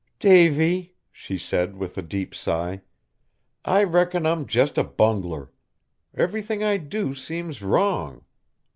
"Davy," she said with a deep sigh, "I reckon I'm just a bungler. Everything I do seems wrong.